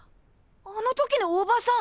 あの時のおばさん！